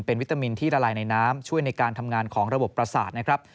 เป็นวิตามินที่ละลายในน้ำช่วยในการทำงานของระบบประสาทนะครับ